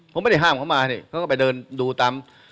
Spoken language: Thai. พวกไม่ได้ห่ามเข้ามา